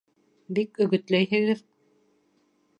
Бик өгөтләйһегеҙ...